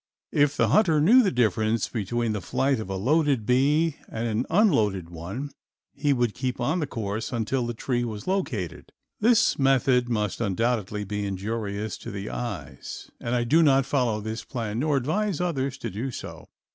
If the hunter knew the difference between the flight of a loaded bee and an unloaded one he would keep on the course until the tree was located. This method must undoubtedly be injurious to the eyes and I do not follow this plan nor advise others to do so.